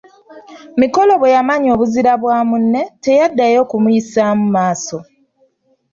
Mikolo bwe yamanya obuzira bwa munne teyaddayo kumuyisaamu maaso.